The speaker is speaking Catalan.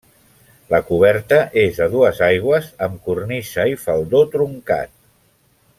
La coberta és a dues aigües amb cornisa i faldó truncat.